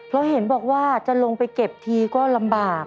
เพราะเห็นบอกว่าจะลงไปเก็บทีก็ลำบาก